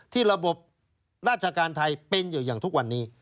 ที่ระบบราชการไทยปัญญ์อยู่อย่างทุกวันนี้